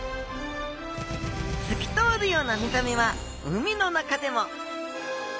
透き通るような見た目は海の中でも！